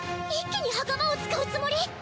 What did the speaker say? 一気に墓場を使うつもり！？